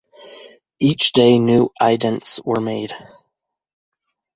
Each day new idents were made.